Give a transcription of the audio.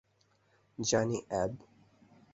জানি, অ্যাব।